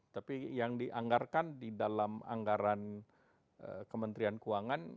tapi yang dianggarkan di dalam anggaran kementerian keuangan